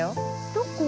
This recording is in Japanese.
どこ？